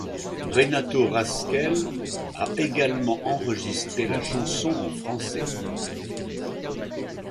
Renato Rascel a également enregistrée la chanson en français.